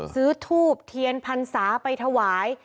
ซื้อถูปเทียนพรรษาไปถวาย